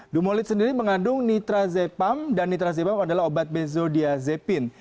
dumolit sendiri mengandung nitrazepam dan nitrazepam adalah obat besodiazepine